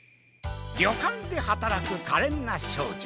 りょかんではたらくかれんなしょうじょ